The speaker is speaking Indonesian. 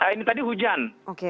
ini tadi hujan